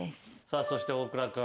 さあそして大倉君。